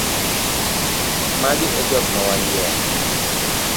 Magi e jok mawayiero.